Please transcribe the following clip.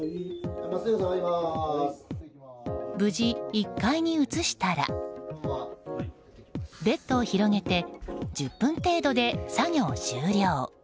無事、１階に移したらベッドを広げて１０分程度で作業終了。